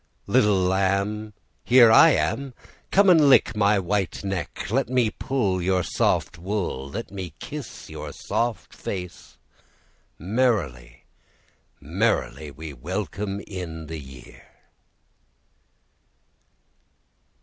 Little lamb, Here I am; Come and lick My white neck; Let me pull Your soft wool; Let me kiss Your soft face; Merrily, merrily we welcome in the year.